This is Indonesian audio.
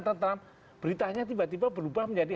tentara beritanya tiba tiba berubah menjadi